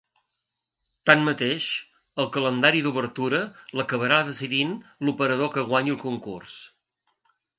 Tanmateix, el calendari d’obertura l’acabarà decidint l’operador que guanyi el concurs.